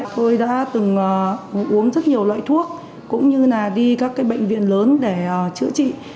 tôi đã từng uống rất nhiều loại thuốc cũng như là đi các bệnh viện lớn để chữa trị